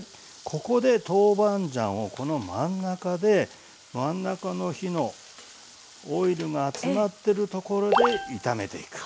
ここで豆板醤をこの真ん中で真ん中の火のオイルが集まってるところで炒めていく。